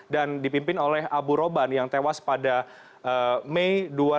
dan dipimpin oleh abu roban yang tewas pada mei dua ribu tiga belas